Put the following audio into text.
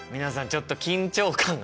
ちょっと緊張感がね。